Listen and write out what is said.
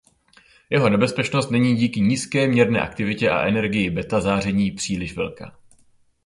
Jeho nebezpečnost není díky nízké měrné aktivitě a energii beta záření příliš velká.